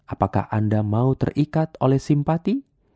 apakah anda mau terikat oleh simpati